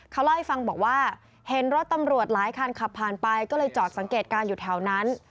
เขาเล่าให้ฟังบอกว่าเห็นรถตำรวจหลายคันขับผ่านไปก็เลยจอดสังเกตการณ์อยู่แถวนั้น